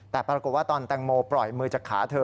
แต่ปรากฏว่าตอนแตงโมปล่อยมือจากขาเธอ